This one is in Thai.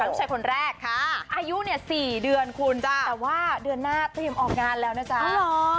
ลูกชายคนแรกอายุเนี่ย๔เดือนคุณจ้ะแต่ว่าเดือนหน้าเตรียมออกงานแล้วนะจ๊ะ